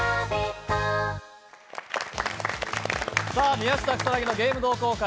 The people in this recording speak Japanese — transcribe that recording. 「宮下草薙のゲーム同好会」。